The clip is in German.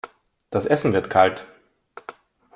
Das Essen wird kalt.